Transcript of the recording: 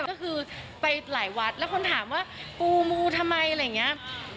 ก็คือไปหลายวัดแล้วคนถามว่าปูมูทำไมอะไรอย่างนี้